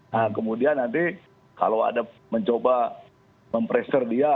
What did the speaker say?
nah kemudian nanti kalau ada mencoba mempressure dia